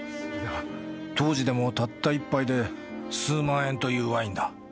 当時でもたった１杯で数万円というワインだ。